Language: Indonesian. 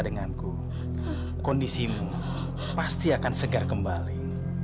denganku kondisi mu pasti akan segar kembali